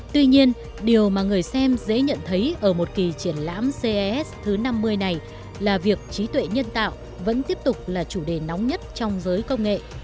tuy nhiên điều mà người xem dễ nhận thấy ở một kỳ triển lãm ces thứ năm mươi này là việc trí tuệ nhân tạo vẫn tiếp tục là chủ đề nóng nhất trong giới công nghệ